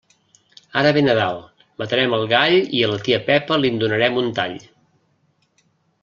Ara ve Nadal, matarem el gall i a la tia Pepa li'n donarem un tall.